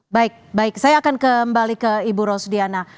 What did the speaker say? baik baik saya akan kembali ke ibu rosdiana